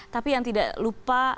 tapi yang tidak lupa